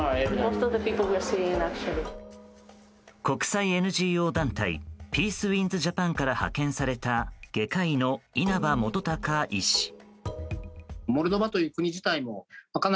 国際ＮＧＯ団体ピースウィンズ・ジャパンから派遣された外科医の稲葉基高医師。